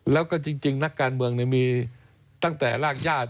แล้วก็จริงนักการเมืองมีตั้งแต่รากญาติ